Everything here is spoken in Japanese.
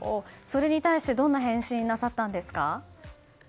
それに対してどんな返信をなさったんですか？